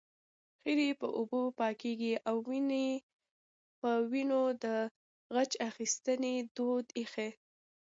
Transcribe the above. خیرې په اوبو پاکېږي او وينې په وينو د غچ اخیستنې دود ښيي